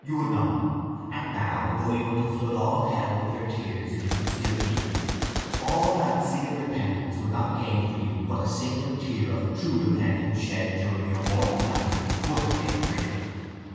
You would not. And now, though you were to flood all hell with your tears if you could still weep, all that sea of repentance would not gain for you what a single tear of true repentance shed during your mortal life would have gained for you.